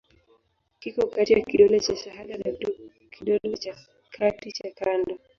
Kiko kati ya kidole cha shahada na kidole cha kati cha kando.